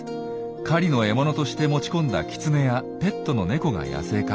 狩りの獲物として持ち込んだキツネやペットのネコが野生化。